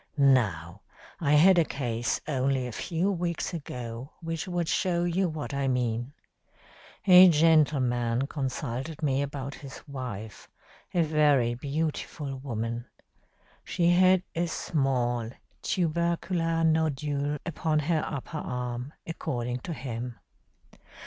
Now, I had a case only a few weeks ago which would show you what I mean. A gentleman consulted me about his wife, a very beautiful woman. She had a small tubercular nodule upon her upper arm, according to him.